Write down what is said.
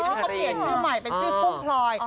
ที่เขาเปลี่ยนชื่อใหม่เป็นชื่อกุ้งพลอย